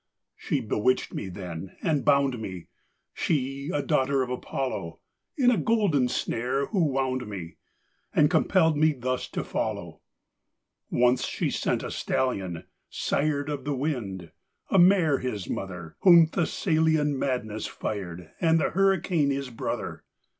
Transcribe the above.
She bewitched me then and bound me, She a daughter of Apollo, In a golden snare who wound me, And compelled me thus to follow: Once she sent a stallion, sired Of the Wind; a mare his mother, Whom Thessalian madness fired, And the Hurricane his brother.